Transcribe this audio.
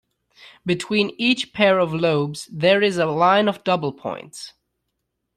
Between each pair of lobes there is a line of double points.